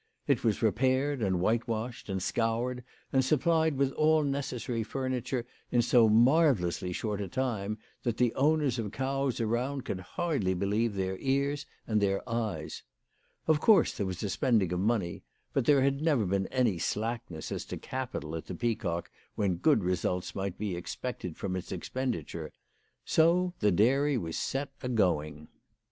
It was repaired and whitewashed, and scoured and supplied with all necessary furniture in so marvellously short a time, that the owners of cows around could hardly believe their ears and their eyes. Of course there was a spending of money, but there had never been any slackness as to capital at the Pea cock when good results might be expected from its expenditure. So the dairy was set agoing.